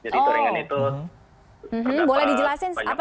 di turingan tempatnya di nordhausen pak